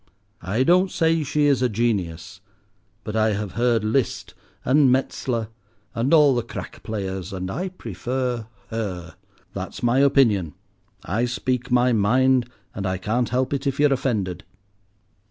I don't say she is a genius, but I have heard Liszt and Metzler and all the crack players, and I prefer her. That's my opinion. I speak my mind, and I can't help it if you're offended."